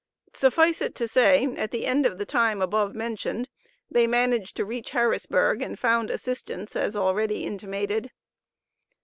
Suffice it to say, at the end of the time above mentioned they managed to reach Harrisburg and found assistance as already intimated.